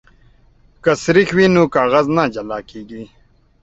که سريښ وي نو کاغذ نه جلا کیږي.